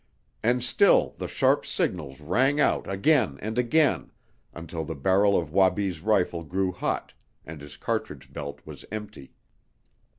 And still the sharp signals rang out again and again, until the barrel of Wabi's rifle grew hot, and his cartridge belt was empty.